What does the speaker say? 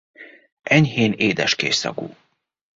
Enyhén édeskés szagú.